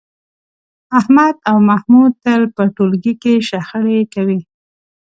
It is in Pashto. احمد او محمود تل په ټولګي کې شخړې کوي.